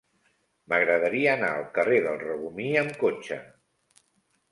M'agradaria anar al carrer del Regomir amb cotxe.